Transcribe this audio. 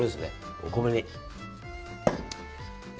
お米に。